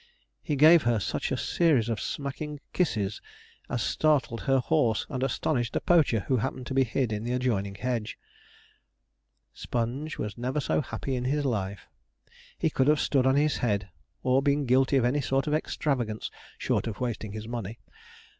He gave her such a series of smacking kisses as startled her horse and astonished a poacher who happened to be hid in the adjoining hedge. Sponge was never so happy in his life. He could have stood on his head, or been guilty of any sort of extravagance, short of wasting his money.